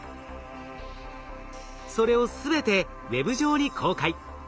それを全てＷＥＢ上に公開。